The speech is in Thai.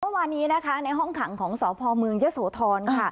เมื่อวานี้นะคะในห้องขังของสพมยศธรค่ะ